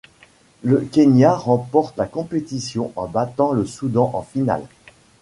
Le Kenya remporte la compétition en battant le Soudan en finale.